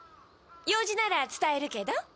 用事なら伝えるけど。